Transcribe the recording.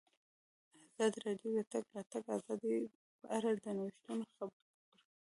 ازادي راډیو د د تګ راتګ ازادي په اړه د نوښتونو خبر ورکړی.